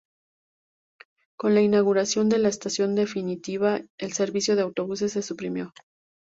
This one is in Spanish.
Con la inauguración de la estación definitiva el servicio de autobuses se suprimió.